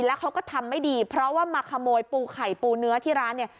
แล้วเขาก็ทำไม่ดีเพราะว่ามาขโมยปูไข่ปูเนื้อที่ร้านเนี่ย